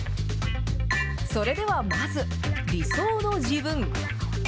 それでは、まず、理想の自分。